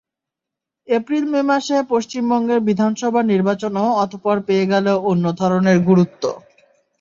এপ্রিল-মে মাসে পশ্চিমবঙ্গের বিধানসভার নির্বাচনও অতঃপর পেয়ে গেল অন্য ধরনের গুরুত্ব।